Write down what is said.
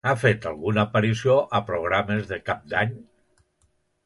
Ha fet alguna aparició a programes de cap d'any?